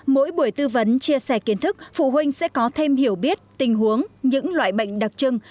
mỗi buổi tư vấn chia sẻ kiến thức phụ huynh sẽ có thêm hiểu biết tình huống những loại bệnh đặc trưng